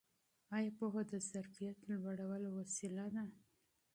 ایا پوهه د ظرفیت لوړولو وسیله ده؟